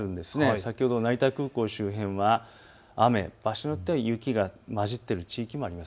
先ほど成田空港周辺は雨場所によっては雪が交じっている地域もあります。